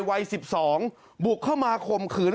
วัย๑๒บุกเข้ามาข่มขืน